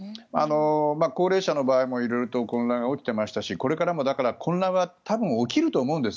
高齢者の場合も色々と混乱が起きていましたしこれからも混乱は起きると思うんです。